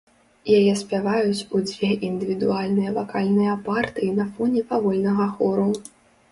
Яе спяваюць у дзве індывідуальныя вакальныя партыі на фоне павольнага хору.